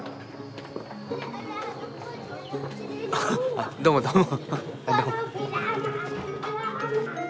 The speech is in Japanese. あっどうもどうも。